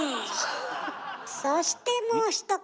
そしてもう一方！